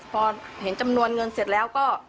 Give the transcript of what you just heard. พอเห็นจำนวนเงินเสร็จแล้วก็